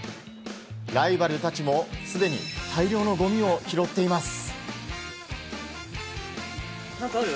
ライバルたちもすでに大量のゴミを拾っています。